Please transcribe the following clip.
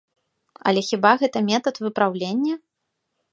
Але хіба гэта метад выпраўлення?